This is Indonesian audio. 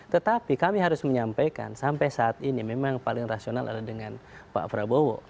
tetapi kami harus menyampaikan sampai saat ini memang paling rasional adalah dengan pak prabowo